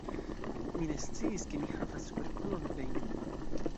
Mi ne sciis ke mi havas superfluan vejnon.